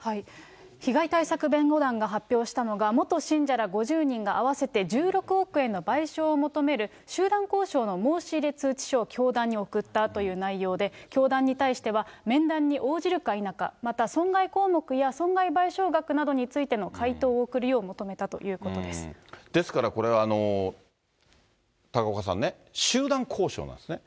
被害対策弁護団が発表したのが、元信者ら５０人が、合わせて１６億円の賠償を求める集団交渉の申し入れ通知書を教団に送ったという内容で、教団に対しては、面談に応じるか否か、また損害項目や損害賠償額などについての回答を送るよう求めたとですから、これは、高岡さんね、集団交渉なんですね。